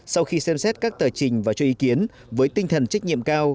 sau khi xem xét các tờ trình và cho ý kiến với tinh thần trách nhiệm cao